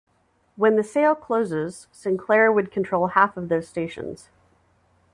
When the sale closes, Sinclair would control half of those stations.